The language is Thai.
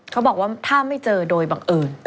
เขาบอกว่าถ้าไม่เจอโดยบังเอิญ